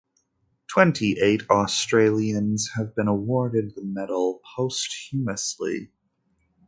Twenty-eight Australians have been awarded the medal posthumously.